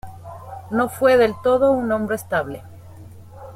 No fue del todo un hombre estable.